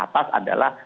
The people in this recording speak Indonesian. yang paling atas adalah